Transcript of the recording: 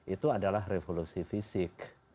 itu adalah revolusi fisik